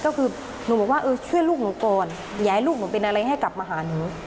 ก็คือหนูบอกว่าเออช่วยลูกหนูก่อนอย่าให้ลูกหนูเป็นอะไรให้กลับมาหาหนู